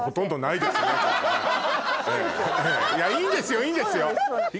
いいんですよいいんですよ。